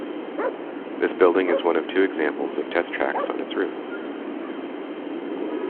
This building is one of two examples of test tracks on its roof.